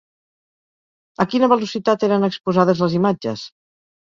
A quina velocitat eren exposades les imatges?